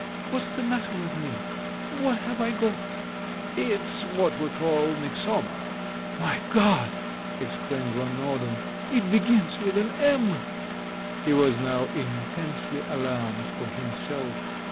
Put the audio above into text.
What's the matter with me, what have I got?" "It's what we call 'Myxoma.' " "My God!" exclaimed Van Norden. "It be gins with an M !" He was now intensely alarmed for himself.